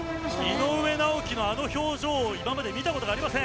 井上直樹のあの表情今まで見たことがありません。